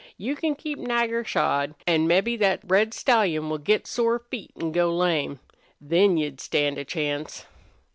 You can keep Nagger shod. An' mebbe thet red stallion will get sore feet an' go lame. Then you'd stand a chance."